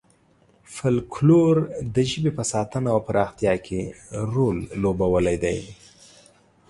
فولکلور د ژبې په ساتنه او پراختیا کې رول لوبولی دی.